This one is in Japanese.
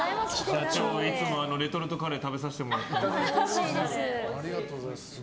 社長、いつもレトルトカレー食べさせてもらってます。